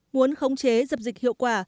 muốn khống chế dập dịch hiệu quả